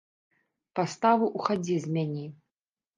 Паставу ў хадзе змяні!